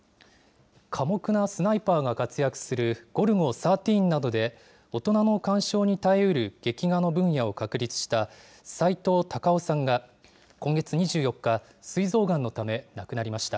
寡黙なスナイパーが活躍するゴルゴ１３などで、大人の鑑賞に堪えうる劇画の分野を確立したさいとう・たかをさんが、今月２４日、すい臓がんのため亡くなりました。